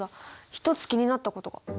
一つ気になったことが。